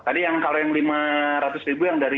tadi yang kalau yang lima ratus ribu yang dari